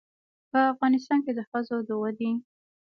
په افغانستان کې د ښځو د ودې